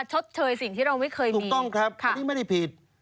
ชดเชยสิ่งที่เราไม่เคยเห็นถูกต้องครับอันนี้ไม่ได้ผิด